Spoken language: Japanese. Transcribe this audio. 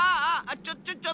ちょちょちょっと！